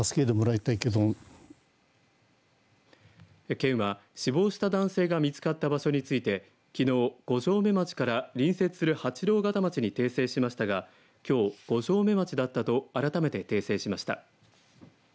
県は、死亡した男性が見つかった場所についてきのう五城目町から隣接する八郎潟町に訂正しましたがきょう五城目町だったと改めて訂正しました。